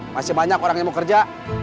masih banyak orang yang mau kerja